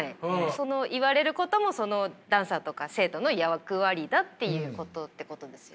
その言われることもダンサーとか生徒の役割だっていうことですよね。